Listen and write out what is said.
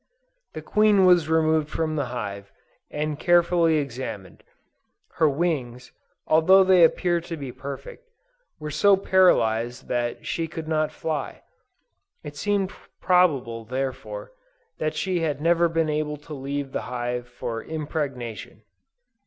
The Queen was removed from the hive, and carefully examined. Her wings, although they appeared to be perfect, were so paralized that she could not fly. It seemed probable, therefore, that she had never been able to leave the hive for impregnation.